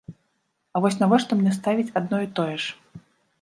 А вось навошта мне ставіць адно і тое ж?